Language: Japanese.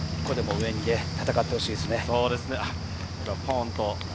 上で戦ってほしいですね。